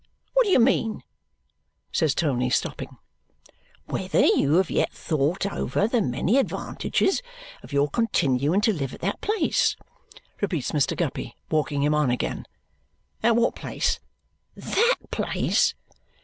"What do you mean?" says Tony, stopping. "Whether you have yet thought over the many advantages of your continuing to live at that place?" repeats Mr. Guppy, walking him on again. "At what place? THAT place?"